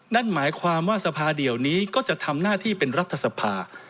นั่นหมายความว่าสภาเดียวนี้ก็จะทำหน้าที่เป็นรัฐสภา